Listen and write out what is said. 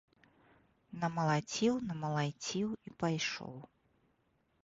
Намалаціў, намалаціў і пайшоў.